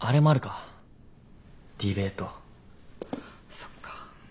そっか。